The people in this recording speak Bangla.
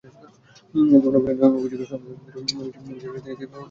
যৌন নিপীড়নের অভিযোগ সংক্রান্ত মিশরীয় সামাজিক রীতিনীতি অতিক্রম করার প্রচেষ্টায়।